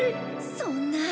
そんな。